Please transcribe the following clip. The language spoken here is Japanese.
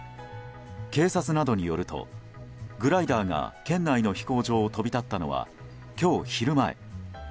警察などによると、グライダーが県内の飛行場を飛び立ったのは今日昼前。